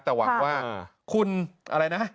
แต่หวังว่าคุณอะไรนะ